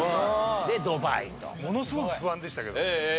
ものすごく不安でしたけど。